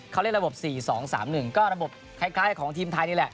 เขาเล่นระบบ๔๒๓๑ก็ระบบคล้ายของทีมไทยนี่แหละ